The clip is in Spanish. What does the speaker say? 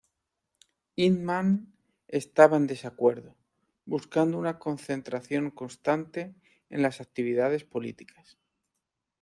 Hyndman estaba en desacuerdo, buscando una concentración constante en las actividades políticas.